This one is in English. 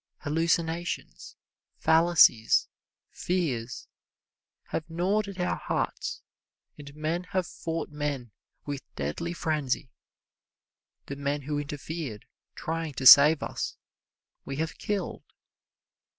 Hallucinations, fallacies, fears, have gnawed at our hearts, and men have fought men with deadly frenzy. The people who interfered, trying to save us, we have killed.